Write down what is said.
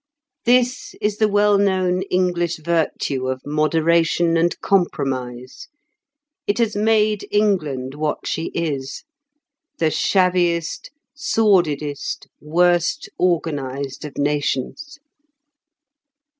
This is the well known English virtue of moderation and compromise; it has made England what she is, the shabbiest, sordidest, worst organised of nations.